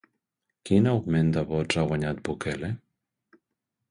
Quin augment de vots ha guanyat Bukele?